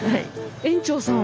園長さんを。